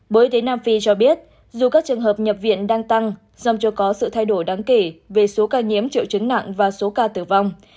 bộ y tế nam phi cho biết dù các trường hợp nhập viện đang tăng dòng chưa có sự thay đổi đáng kể về số ca nhiễm triệu chứng nặng và số ca tử vong